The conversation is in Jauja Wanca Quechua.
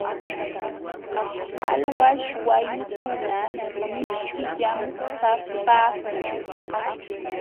Qalwaśh wayukuna mishkillam kapaakun.